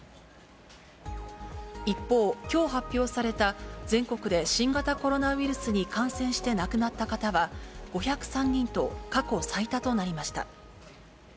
一方、きょう発表された、全国で新型コロナウイルスに感染して亡くなった方は５０３人と、過去最多となりました。